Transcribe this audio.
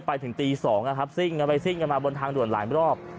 ไปถึงตี๒นะครับซิ่งกันไปซิ่งกันมาบนทางด่วนหลายรอบ